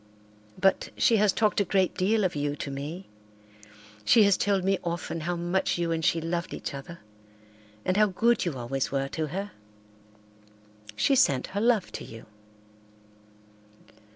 But she has talked a great deal of you to me. She has told me often how much you and she loved each other and how good you always were to her. She sent her love to you."